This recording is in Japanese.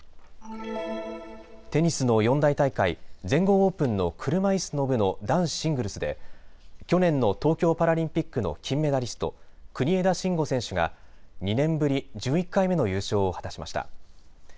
テニスの四大大会、全豪オープンの車いすの部の男子シングルスで去年の東京パラリンピックの金メダリスト国枝慎吾選手が２年ぶり１１回目の優勝を果たしました。